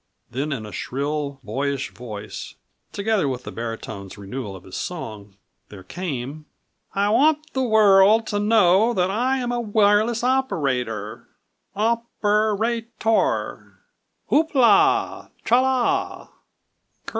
Then in a shrill boyish voice, together with the baritone's renewal of his song, there came: "I want the world to know that I am a wireless15 operator, op er a a tor. Hoop la! Tra la!"